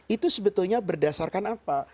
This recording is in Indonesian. itu sebetulnya berdasarkan apa